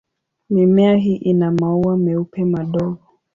Mimea hii ina maua meupe madogo.